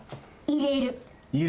入れる！